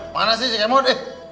mana sih si kemut